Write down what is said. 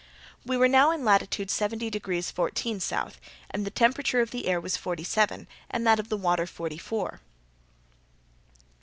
We were now in latitude 70 degrees 14' S., and the temperature of the air was forty seven, and that of the water forty four.